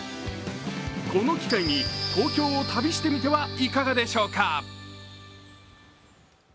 この機会に東京を旅してみてはいかがでしょうか。